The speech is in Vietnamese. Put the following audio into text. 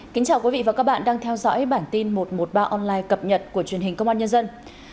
chào mừng quý vị đến với bản tin một trăm một mươi ba online cập nhật của truyền hình công an nhân dân